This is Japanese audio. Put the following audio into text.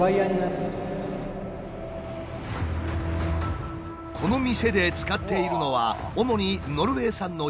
この店で使っているのは主にノルウェー産の養殖サーモン。